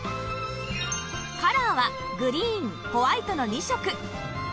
カラーはグリーンホワイトの２色